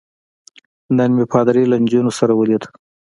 نن مې پادري له نجونو سره ولید.